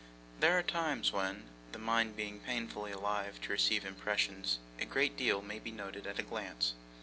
There are times when, the mind being painfully alive to receive impressions, a great deal may be noted at a glance.